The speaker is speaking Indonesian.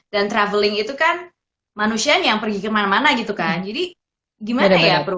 dan traveling itu kan manusia yang pergi kemana mana gitu kan jadi gimana ya bro